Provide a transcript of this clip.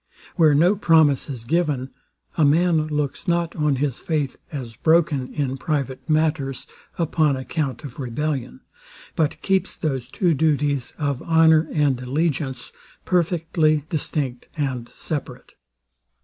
Where no promise is given, a man looks not on his faith as broken in private matters, upon account of rebellion; but keeps those two duties of honour and allegiance perfectly distinct and separate.